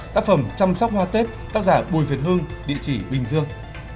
tác phẩm chăm sóc hoa tết tác giả bùi việt hưng địa chỉ bình dương